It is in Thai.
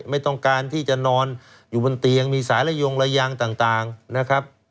ไม่ต้องการที่จะนอนอยู่บนเตียงมีสายระยงระยางต่างนะครับ